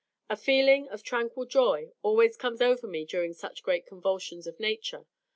A feeling of tranquil joy always comes over me during such great convulsions of Nature.